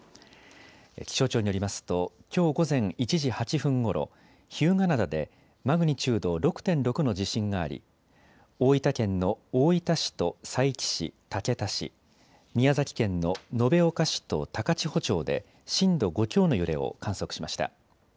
気象庁によりますと、きょう午前１時８分ごろ、日向灘でマグニチュード６．６の地震があり、大分県の大分市と佐伯市、竹田市、宮崎県の延岡市と高千穂町で震度５強の揺れを観測しました。